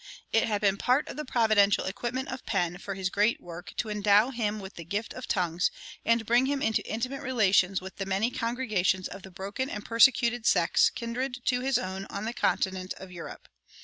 It had been part of the providential equipment of Penn for his great work to endow him with the gift of tongues and bring him into intimate relations with the many congregations of the broken and persecuted sects kindred to his own on the continent of Europe.